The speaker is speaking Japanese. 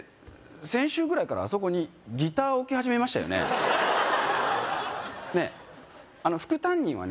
先週ぐらいからあそこにギター置き始めましたよねねえあの副担任はね